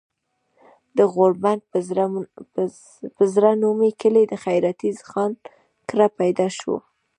د غوربند پۀ زړه نومي کلي د خېراتي خان کره پيدا شو